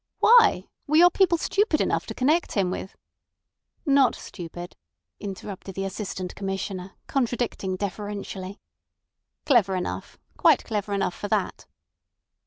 "Why? Were your people stupid enough to connect him with—" "Not stupid," interrupted the Assistant Commissioner, contradicting deferentially. "Clever enough—quite clever enough for that."